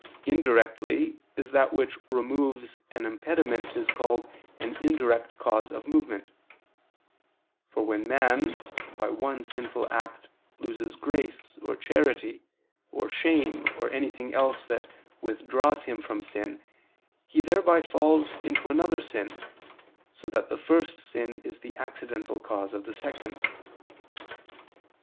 Indirectly, as that which removes an impediment is called an indirect cause of movement: for when man, by one sinful act, loses grace, or charity, or shame, or anything else that withdraws him from sin, he thereby falls into another sin, so that the first sin is the accidental cause of the second.